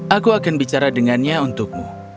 aku akan bicara dengannya untukmu